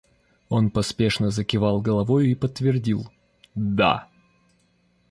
Он поспешно закивал головою и подтвердил: — Да.